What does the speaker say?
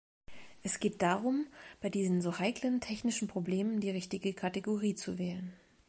Es geht darum, bei diesen so heiklen technischen Problemen die richtige Kategorie zu wählen.